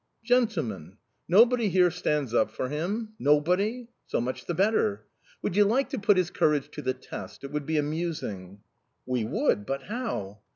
"Gentlemen! Nobody here stands up for him? Nobody? So much the better! Would you like to put his courage to the test? It would be amusing"... "We would; but how?"